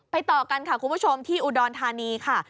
ต่อกันค่ะคุณผู้ชมที่อุดรธานีค่ะ